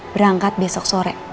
berangkat besok sore